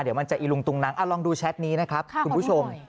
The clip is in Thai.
เดี๋ยวมันจะอีลุงตุงนังลองดูแชทนี้นะครับคุณผู้ชม